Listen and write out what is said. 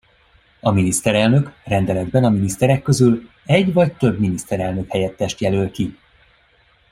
A miniszterelnök rendeletben a miniszterek közül egy vagy több miniszterelnök-helyettest jelöl ki.